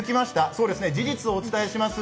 そうですね、事実をお伝えします。